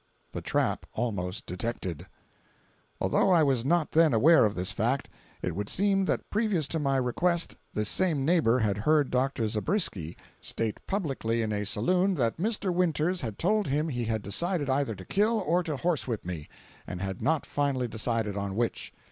THE TRAP ALMOST DETECTED. Although I was not then aware of this fact, it would seem that previous to my request this same neighbor had heard Dr. Zabriskie state publicly in a saloon, that Mr. Winters had told him he had decided either to kill or to horsewhip me, but had not finally decided on which.